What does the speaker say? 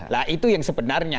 nah itu yang sebenarnya